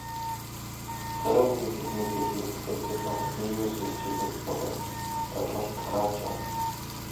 Зарим хэвлэл, мэдээллийн хэрэгслээр тэр дундаа нийгмийн сүлжээгээр буруу ойлголт тарааж байна.